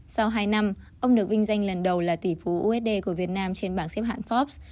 sau hai năm ông được vinh danh lần đầu là tỷ phú usd của việt nam trên bảng xếp hạng fox